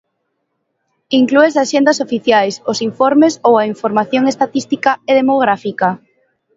Inclúe as axendas oficiais, os informes ou a información estatística e demográfica?